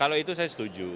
kalau itu saya setuju